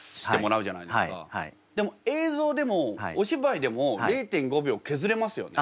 でも映像でもお芝居でも０．５秒削れますよね？